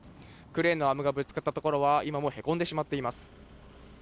クレーンのアームがぶつかった所は、今もへこんでしまっています。